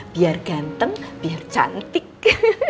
biar ganteng biar cantik